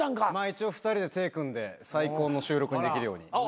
一応２人で手ぇ組んで最高の収録にできるように。